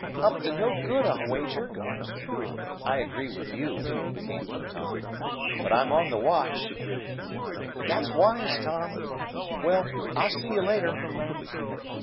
"Up to no good, I'll wager!" "I agree with you," came from Tom. "But I'm on the watch." "That's wise, Tom. Well, I'll see you later."